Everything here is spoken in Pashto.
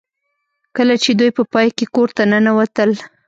کله چې دوی په پای کې کور ته ننوتل